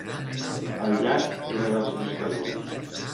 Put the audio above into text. El llac era dels pescadors.